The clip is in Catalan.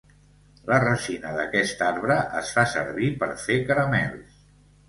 La resina d'aquest arbre es fa servir per fer caramels.